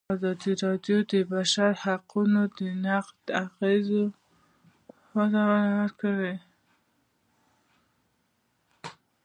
ازادي راډیو د د بشري حقونو نقض د اغېزو په اړه ریپوټونه راغونډ کړي.